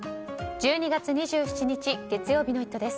１２月２７日、月曜日の「イット！」です。